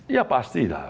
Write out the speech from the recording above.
ya pasti lah